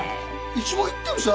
いつも言ってるさ。